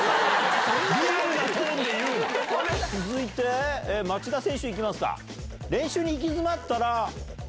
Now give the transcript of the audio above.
続いて町田選手行きますか。